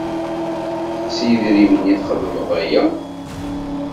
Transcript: S yedrimen i txeddmeḍ aya?